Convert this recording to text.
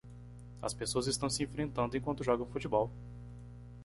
As pessoas estão se enfrentando enquanto jogam futebol.